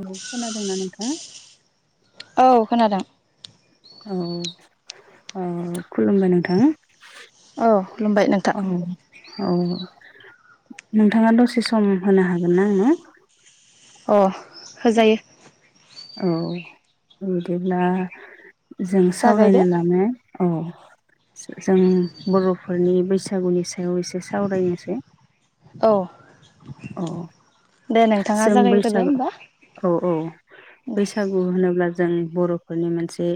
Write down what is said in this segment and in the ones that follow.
औ खोनादोंना नोंथा? औ खोनादों। औ ओ खुलुमबाय नोंथां। औ खुलुमबाय औ नोंथां। औ नोंथाङा दसे सम होनो हागोन ना आंनो? अ होजायो। औ बिदिब्ला जों जागायदो सावरायनो लानाय औ स जों बर' फोरनि बैसागुनि सायाव एसे सावरायनोसै। औ [inaudible] औ दे नोंथाङा जों जागायग्रोदो बैसाग होमबा औ औ दे बैसागु होनोब्ला जों बर'फोरनि मोनसे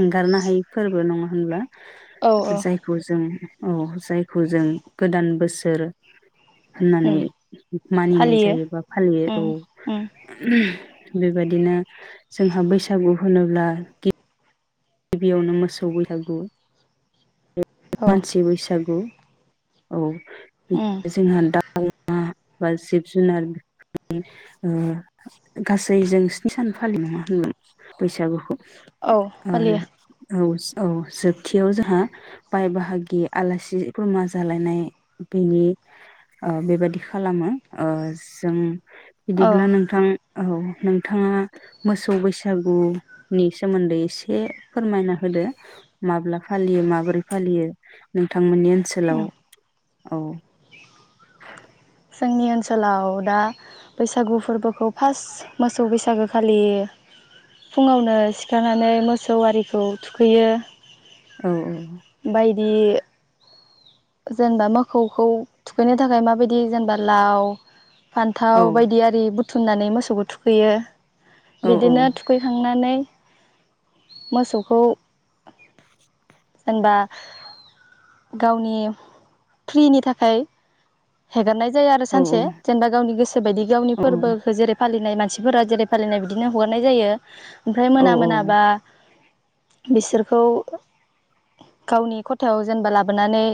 एंगारनो हायै फोरबो नङा होनब्ला? औ औ जायखौ जों औ जायखौ जों गोदान बोसोर होननानै उम मानिनाय फालियो जायो बा दे औ उम उम बेबायदिनो जोंहा बैसागु होनोब्ला गि बियावनो मोसौ बैसागु औ मानसि बैसागु औ उम बिदिनो जोंहा दाव, अमा बा जिब जुनार [unintelligible] ओ गासै जों स्नि सान फालियो नंङा होनब्ला बैसागुखौ? औ फालियो आरो औ औ जोबथियाव जोंहा बाय बाहागि आलासि खुरमा जालायनाय बेनि ओ बेबायादि खालामो ओ जों औ बिदिब्ला नोंथां औ नोंथाङा मोसौ बैसागुनि सोमोन्दै एसे फोरमायना होदो, माब्ला फालियो माबोरै फालियो नोंथां मोननि ओनसोलाव उम औ जोंनि ओनसोलाव दा बैसागु फोरबोखौ फार्स्ट मोसौ बैसागोखालि फुङावनो सिखारनानै मोसौ आरिखौ थुखैयो। औ औ बायदि जेनबा मोखौखौ थुखैनो थाखाय माबायदि जेनेबा लाव औ फान्थाव बायदि आरि बु थुननानै मोसौखौ थुखैयो। औ बिदिनो थुखैखांनानै मोसौखौ जेनबा गावनि फ्रिनि थाखाय हेगारनाय जायो आरो औ सानसे, जेनबा गावनि गोसो बायदि गावनि औ फोरबोखौ जेरै फालिनाय मानसि सिफोरा जेरै फालिनाय बिदिनो हगारनाय जायो। ओमफ्राय औ मोना मोनाबा बिसोरखौ गावनि ख'थायाव जेनेबा लाबोनानै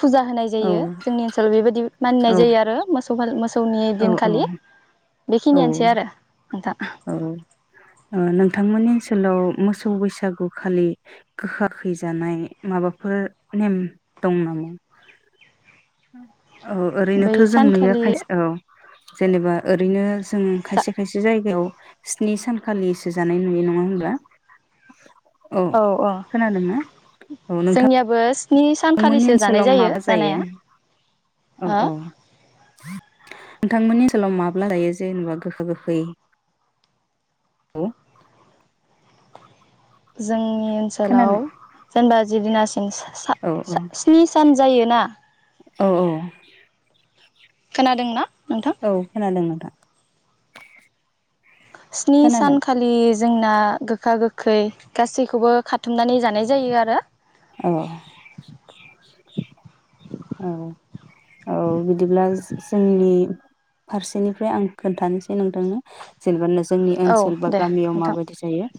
फुजा होनाय औ जायो जोंनि ओनसोलाव बेबायदि मानिनाय जायो आरो मोसौ [unintelligible] मोसौनि औ दिनखालि औ बेखिनियानोसै आरो नोंथां औ नोंथांमोननि ओन आलाव मोसौ बैसागु खालि गोखा खैजानाय माबाफोर नेम दं नामा औ बै ओरैनोथ जों नुयो सानखालि खायसे औ जेनेबा ओरैनो जों जा खायसे खायसे जायगायाव स्नि सानखालिसो जानाय नुयो नङा होनोमब्ला। औ ओ जोंनियाबो स्नि थांमोननि सानखालिसो जानाय ओनसोलाव माबा जायो जानाया औ हो औ नोंथांमोननि ओनसोलाव माब्ला जायो जेनेबा गोखा गोखै [unintelligible] जोंनि खोनानो ओनसोलाव जेनेबा जिदिनास औ सा-सा स्नि सान जायोना औ औ खोनादोंना नोंथां औ खोनादों नोंथां स्नि सान खोनादों खालि जोंना गोखा गोखै गासैखौबो खाथुमनानै जानाय जायो आरो औ औ औ औ औ बिदिब्ला जोंनि फारसेनिफ्राय आं खोन्थानिसै नोंथांनो जेनेबा नों जोंनि औ ओनसोल बा दे गामियाव नोंथां माबायदि जायो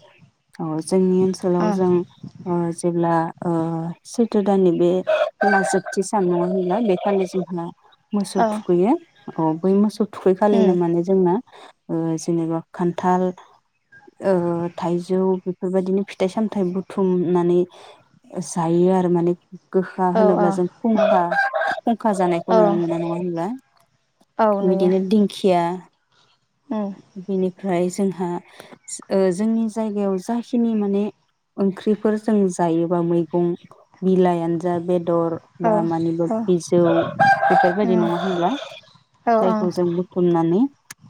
औ जोंनि ओनसोलाव ओं जों ओ जेब्ला सैथो दाननि बे जोबथि सान नङा होनब्ला बे खालि जोंहा मोसौ औ थुखैयो अ बै मोसौ थुखै उम खालिनो माने जोंना ओ जेनेबा खान्थाल ओ थाइजौ बेफोरबायदिनो फिथाइ सामथाइ बुथुमनानै जायो आरो माने गोखा औ औ होनोब्ला जों उम खुंखा खुंखा औ जानायखौ नुनो मोना नङा होनब्ला औ नुयो बिदिनो दिंखिया उम बिनि ओमफ्राय जोंहा ओ जोंनि जायगायाव जाखिनि माने ओंख्रिफोर जों जायोबा मैगं बिलाइआनोजा बे बेदर औ बा मानिब औ बिजौ बेफोरबायदि उम नङा होनब्ला औ औ जायखौ जों बुथुमनानै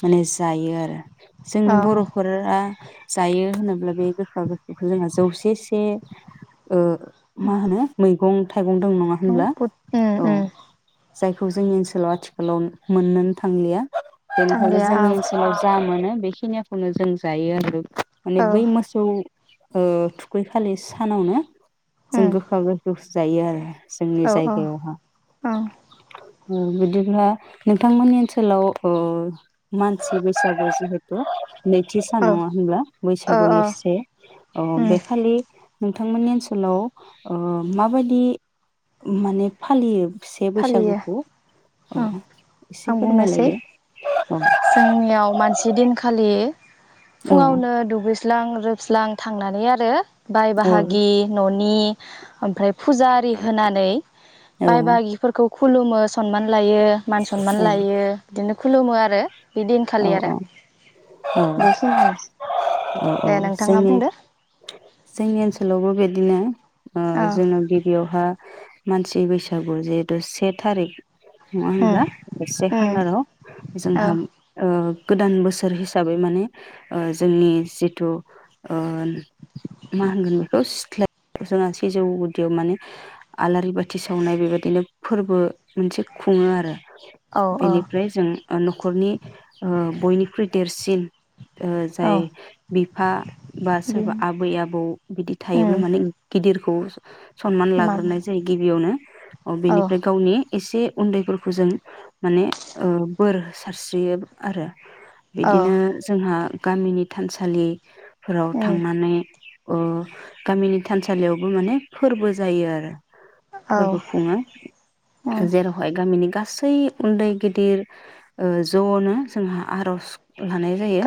माने जायो आरो। औ जोंनि बर'फोरा जायो होनोब्ला बे गोखा गोखैखो जोंहा जौसे से ओ मा होनो मैगं थाइगं दं नङा होनब्ला बुद उम औ जायखौ जोंनि ओनसोलाव आथिखालाव मोननो थांलिया। खायनो थांलिया जोंनि औ ओनसोलाव जा मोनो बेखिनियाखौनो जों जायो आरो। माने औ बै मोसौ ओ थुखै खालि सानावनो जों उम गोखा गोखै जायो आरो। जोंनि औ ओं जायगायावहा औ उम बिदिब्ला नोंथांमोननि ओनसोलाव ओ मानसि बैसागु जिहेथु नैथि सान नङा होनब्ला? ओ बैसागुनि ओ से अ उम बेखालि नोंथांमोननि ओनसोलाव ओ माबायदि माने फालियो? से फालियो बैसागुखौ औ ओं औ एसे आं बुंनोसै फोरमायलायदो। जोंनियाव मानसि दिनखालि औ फुङावनो दुगैस दुगैस्लां लोबस्लां थांनानै आरो बाय बाहागि न'नि नि ओमफ्राय फुजा आरि होनानै औ बाय बाहागि खुलुमो सनमान लायो मान सनमान लायो बिदिनो खुलुमो आरो। बे दिनखालि औ आरो औ बेखिनियानो औ औ दे नोंथाङा जोंनि बुंदो जोंनि ओनसोलावबो बिदिनो ओ औ जोङो गिबियावहा मानसि बैसागु जिहेथु से थारिख नङा उम होनब्ला? से उम खालाराव औ जोंहा ओ गोदान बोसोर हिसाबै माने ओ जोंनि जिथु ओ मा होनगोन बेखौ सिथ्ला जोंहा सिजौ गुदियाव माने आलारि बाथि सावनाय बेबायदिनो फोरबो मोनसे खुङो आरो। औ औ बेनिफ्राय जों ओ न'खरनि ओ बयनिख्रुइ देरसिन ओ जाय औ बिफा बा सोरबा बिनो आबै आबौ बिदि थायोब्ला उम माने गिदिर खौ ज सनमान मानो लाग्रोनाय जायो गिबियावनो अ औ बेनिफ्राय गावनि एसे उन्दैफोरखौ जों माने ओ बोर सारस्रि- ग्रिड आरो औ इदिनो जोंहा गामिनि थानसालि फोराव उम थांनानै अह गामिनि थानसालियावबो माने फोरबो जायो आरो। औ फोरबो खुङो उम जेरावहाय गामिनि गास सै उन्दै गिदिर ओह जनो जोंहा आरज लानाय जायो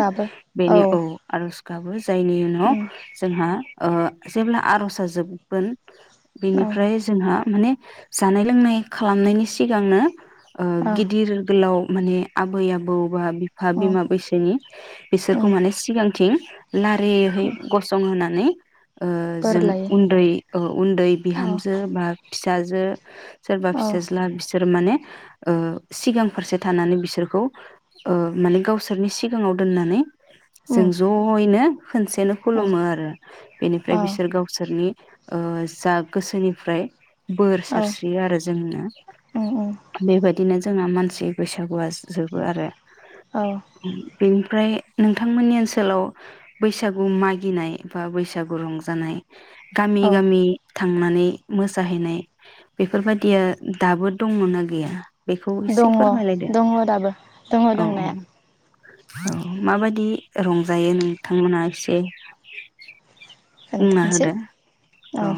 बेनि औ आरज गाबो जो जायनि उनाव उम जोंहा ओह जेब्ला आरज आ जोबगोन औ बेनिफ्राय जोंहा माने जानाय लोंनाय खालामनायनि सिगांनो ओह औ गिदिर गोलाव माने आबै आबौ [unintelligible] बिफा औ बिमा बैसोनि बिसोरखौ उम माने सिगांथिं लारिहै गसंहोनानै ओह बोर जों लायो उन्दै ओह उन्दै औ बिहामजो बा फिस जाजो सोरबा औ फिसाज्ला बिसोर माने ओह सिगां फारसे थानानै बिसोरख खौ ओह माने गावसोरनि सिगाङाव दोननानै उम जों जयैनो खोनसेनो औ खुलुमो आरो बेनिफ्राय औ बिसोर गावसोरनि ओह जा गोसोनिफ्राय बोर औ सारस्रियो आरो जोंनो उम उम बेबायदिनो जो जोंना मानसि बैसागुआ जोबो आरो। औ ओम बेनिफ्राय नोंथांमोननि ओनसोलाव बैसागु मागिनाय बा बैसागु रंजानाय। गामि औ गामि। थांनानै मोसाहैनाय बेफोरबायदिया दाबो दङ ना गैया? बेखौ एसे दङ फोरमायलायदो। दङ दाबो दङ औ औ दंनाया। औ माबायदि रंजायो नोंथांमोना एसे बुंना खोन्थानोसै होदो औ।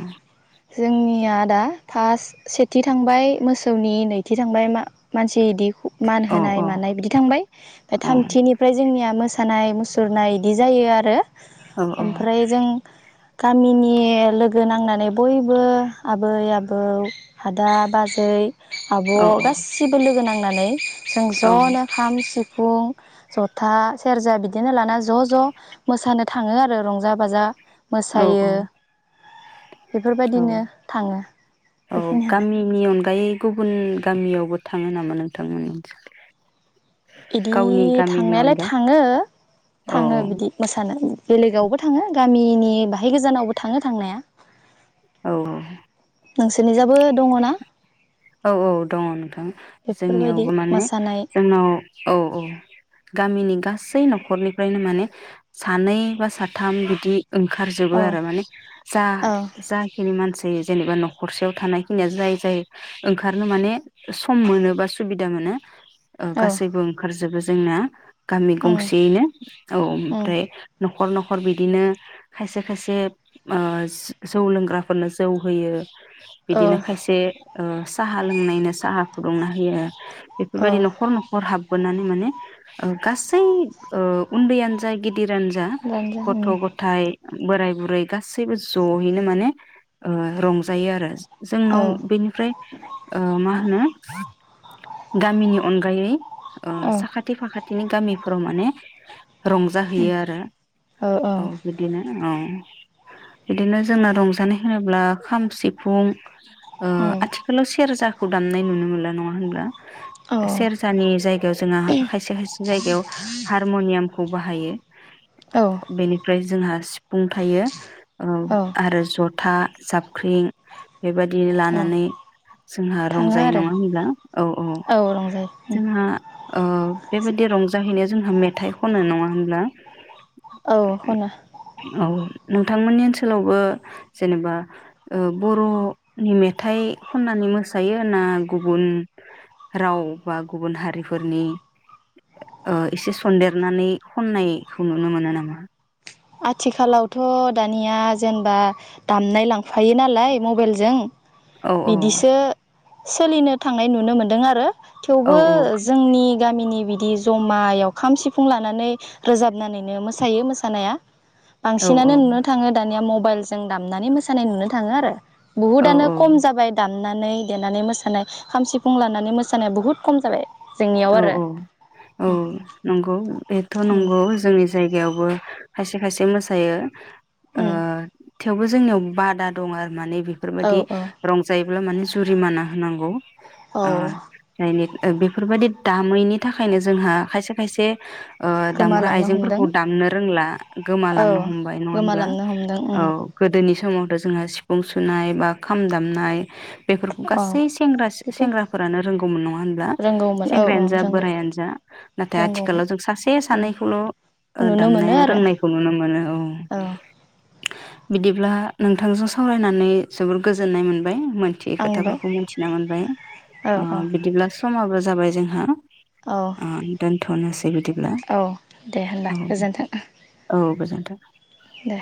जोंनिया दा फास्ट सेथि थांबाय मोसौनि नैथि थांबाय मा मानसि इदि मान औ होनाय मानाय बिदि थांबाय ओमफाय औ थामथिनिफ्राय जोंनिया मोसा मोसानाय मुसुरनाय इदि जायो आरो। औ औ ओमफ्राय जों गामिनि लोगो नांनानै बयबो आबै आबौ आदा बाजै आब' औ गासिबो लोगो नाङो। नानै जों ज'नो खाम सिफुं जथा सेरजा बिदिनो लाना ज' ज' मोसानो थाङो आरो रंजा बाजा। औ औ मोसायो औ बेफोरबायदिनो थाङो औ बेखिनियानो गामिनि अनगायै गुबुन गामियावबो थाङो नामा नोंथांमोननि ओनसो इदि थांनायालाय थाङो औ थाङो बिदि मोसानो। बेलेगावबो थाङो गामिनि बाहाय गोजानावबो थाङो थांनाया। औ औ। नोंसोरनिजायबो दङ ना? औ औ दङ नोंथां बेफोरबायदि जोंनियावबो माने मोसानाय जोंनाव औ औ गामिनि गासै नखरनिफ्रायनो माने सानै बा साथाम बिदि ओंखारजोबो औ आरो माने जा औ जाखिनि मानसि जायो जेनेबा न'खरसेयाव थानायखिनिया जाय जाय ओंखारनो माने सम मोनो बा सुबिदा मोनो। ओ औ गासैबो ओंखारजोबो। जोंना गामि उम गंसेयैनो औ उम ओमफ्राय नख न'खर न'खर बिदिनो खायसे खायसे ओ जौ लोंग्राफोरनो जौ होयो। औ बिदिनो खायसे ओ साहा लोंनायनो साहा फुदुंना होयो। औ बेफोरबायदि न'खर न'खर हाब बोनानै माने ओ गासै ओ उन्दैयानो जा गे दिरानो जा गानजा गथ' उम गथाय बोराय बुरै गासैबो ज'यैनो माने ओ रंजायो आरो। औ जोंनाव बेनि ओमफ्राय ओ मा होनो गामिनि अनगायै ओ औ साखाथि फाखाथि बिनि गामिफोराव माने रंजाहैयो आरो औ बिदिनो औ। बिदिनो जोंना रंजानाय होनोब्ला खाम सिफुं ओ उम आथिखालाव सेरजा दामनाय नुनो मोनला नङा होनब्ला औ सेरजानि जायगायाव जोंहा खायसे खायसे जायगायाव हारम'नियामखौ बाहायो। औ बेनिफ्राय जोंहा बुंथायो। औ आरो जथा साबख्रिं बे बादिनो औ लानानै जोंहा थाङो रंजायो आरो नङा होनब्ला औ रंजायो। जोंहा ओ बे बायदि रंजाहैनाया जोंहा मेथाइ खनो नङा होनब्ला औ खनो औ नोंथांमोननि ओनसोलावबो जेनेबा ओ बर'नि मेथाइ खननानै मोसायो ना गुबुन राव बा गुबुन हारिफोरनि ओ एसे सनन्देरनानै खननायखौ नुनो मोनो नामा। आथिखालावथ' दानिया जेनेबा दामनाय लांफायो नालाय मबाइलजों औ औ बिदिसो सोलिनो थांनाय नुनो मोन्दों आरो औ थेवबो औ जोंनि गामिनि बिदि जमायाव खाम सिफुं लानानै रोजाबनानैनो मोसायो मोसानाया औ औ बांसिनानो नुनो थाङो दानिया म बाइलजों दामनानै मोसानाय नुनो थाङो आरो औ बुहुदानो खम जाबाय दाम नानै देनानै मोसानाय खाम सिफुं लानानै मोसानाया बुहुत खम जाबाय। जोंनियाव औ आरो औ औ नंगौ बेथ' उम नंगौ जोंनि जायगायावबो खायसे खायसे मोसायो। ओ उम थेवबो जोंनियाव बादा दं आरो। माने बेफोर औ बायदि औ रंजायो। [unintelligible] माने जुरिमाना होनांगौ। औ आ जायनि बेफोर बायदि दामैनि थाखायनो जोंहा खायसे खायसे ओ दामग्रा गोमालांनो हमदों आइजेंफोरखौ दामनो रोंला औ गोमालांनो हमबाय नङा होमब्ला गोमालांनो हमदों औ उम गोदोनि समावथ' जोंहा सिफुं सुनाय बा खाम दामनाय बेफोरखौ औ गासै सेंग्रा बेबो सेंग्राफोरानो रोंगौमोन नङा होनब्ला? रोंगौमोन औ औ सेंग्रायानो जा रोंगौ बोराइयानो जा नाथाय आथिखालाव जों रोंगौमोन सासे सानैखौल' नुनो मोनो दामनाय आरो रोंनायखौ नुनो मोनो औ। बिदिब्ला नोंथांजों सावरायनानै जोबोर गोजोननाय मोनबाय। मोनथियै आंबो खोथाफोरखौ मिथिना मोनबाय औ ओ बिदिब्ला स समाबो जाबाय जोंहा। औ ओ दोनथनोसै बिदिब्ला औ दे होनबा औ गोजोन्थों औ औ गोजोन थों दे